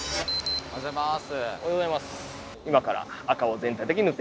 おはようございます。